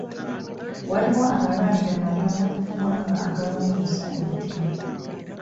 Waliwo amalwaliro matono mu ggwanga agalongoosa emitima.